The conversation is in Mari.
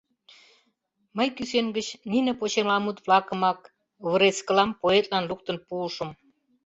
Мый кӱсен гыч нине почеламут-влакымак, вырезкылам, поэтлан луктын пуышым.